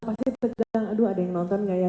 pasti tegang aduh ada yang nonton gak ya